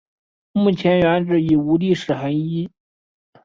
目前原址已无历史痕迹。